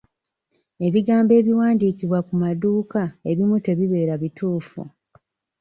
Ebigambo ebiwandiikibwa ku maduuka ebimu tebibeera bituufu.